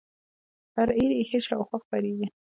فرعي ریښې شاوخوا خپریږي